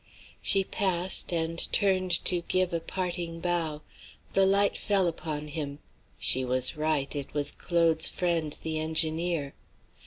She passed, and turned to give a parting bow. The light fell upon him. She was right; it was Claude's friend, the engineer.